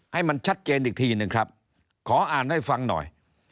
ให้มันชัดเจนอีกทีหนึ่งครับขออ่านให้ฟังหน่อย